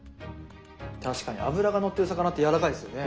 確かに脂がのってる魚ってやわらかいですよね。